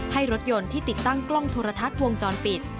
ให้รถยนต์ที่ติดตั้งกล้องโทรทัศน์วงจรปิด